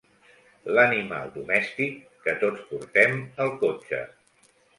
L'animal domèstic que tots portem al cotxe.